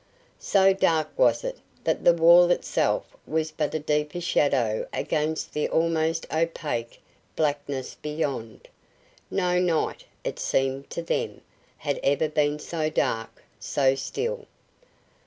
So dark was it that the wall itself was but a deeper shadow against the almost opaque blackness beyond. No night, it seemed to them, had ever been so dark, so still.